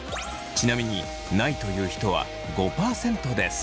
ちなみにないという人は５％です。